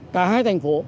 cả hai thành phố